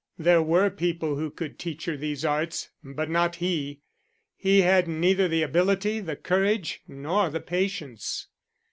There were people who could teach her these arts, but not he. He had neither the ability, the courage, nor the patience.